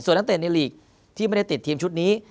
นักเตะในลีกที่ไม่ได้ติดทีมชุดนี้